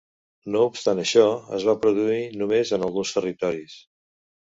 No obstant això, es va produir només en alguns territoris.